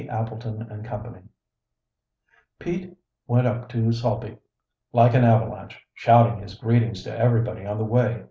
Appleton and Company Pete went up to Sulby like an avalanche, shouting his greetings to everybody on the way.